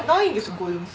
こういう店。